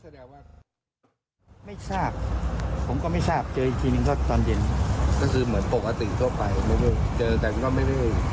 เรื่องงานทุ่มครึ่งทุกคนไม่รู้ทุ่มครึ่งรู้พร้อมครับ